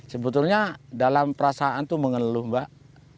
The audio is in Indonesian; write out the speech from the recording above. sebetulnya dalam perasaan itu mengeluh mbak